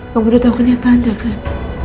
kamu udah tau kenyataan dia kan